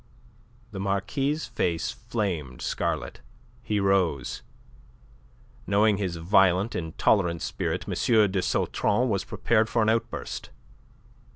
The Marquis' face flamed scarlet. He rose. Knowing his violent, intolerant spirit, M. de Sautron was prepared for an outburst.